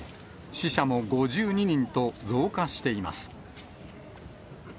死者も５２人と増加しています。